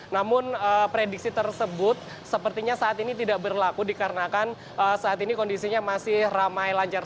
namun prediksi tersebut sepertinya saat ini tidak berlaku dikarenakan saat ini kondisinya masih ramai lancar